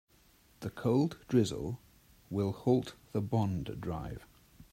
The cold drizzle will halt the bond drive.